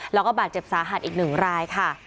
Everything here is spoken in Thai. และบาดเจ็บสาหัดอีก๑ราย